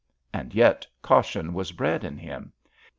And yet caution was bred in him.